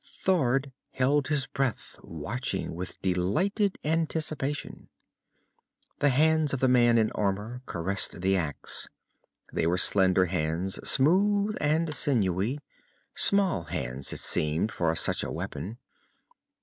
Thord held his breath, watching with delighted anticipation. The hands of the man in armor caressed the axe. They were slender hands, smooth and sinewy small hands, it seemed, for such a weapon.